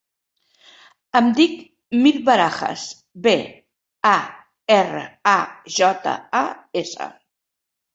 Em dic Mirt Barajas: be, a, erra, a, jota, a, essa.